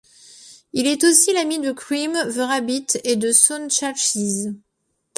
Il est aussi l'ami de Cream the Rabbit et de son chao Cheese.